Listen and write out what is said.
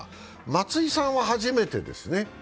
松井さんは初めてですね。